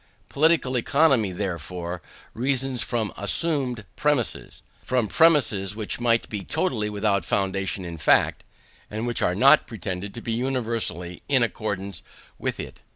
Political Economy, therefore, reasons from assumed premises from premises which might be totally without foundation in fact, and which are not pretended to be universally in accordance with it.